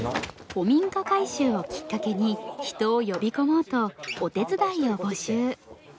古民家改修をきっかけに人を呼び込もうとお手伝いを募集。